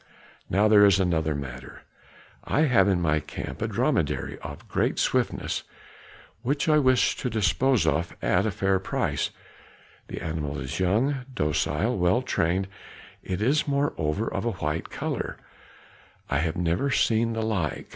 Now there is another matter; I have in my camp a dromedary of great swiftness which I wish to dispose of at a fair price; the animal is young, docile, well trained; it is moreover of a white color; I have never seen the like.